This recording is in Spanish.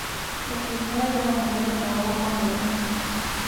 La Primera Guerra Mundial acabó con ella.